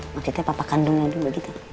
maksudnya papa kandung yang dulu gitu